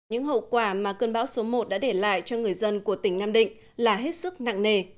những hậu quả mà cơn bão số một đã để lại cho người dân của tỉnh nam định là hết sức nặng nề